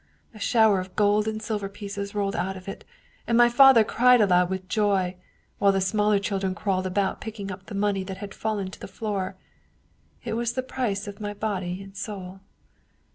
A shower of gold and silver pieces rolled out of it, and my father cried aloud with joy, while the smaller children crawled about picking up the money that had fallen to the floor. It was the price of my body and soul!